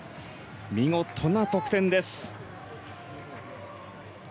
見事な得点です。